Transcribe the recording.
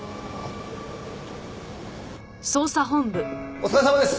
お疲れさまです！